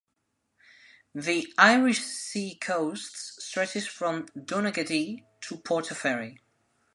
The Irish Sea coast stretches from Donaghadee to Portaferry.